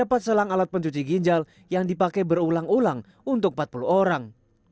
alat yang dipakai berulang ulang untuk empat puluh orang